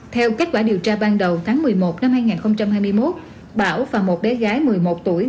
theo kết quả điều tra ban đầu tháng một mươi một năm hai nghìn hai mươi một bảo và một bé gái một mươi một tuổi